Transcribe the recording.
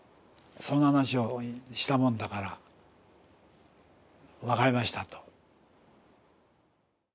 そんな話をしたもんだから「わかりました」と。